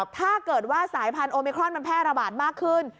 ถ้าเกิดว่าสายพันธุมิครอนมันแพร่ระบาดมากขึ้น